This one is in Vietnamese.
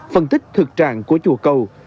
phân tích thực trạng của chùa cầu